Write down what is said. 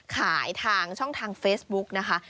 ทางช่องทางเฟซบุ๊กนะคะ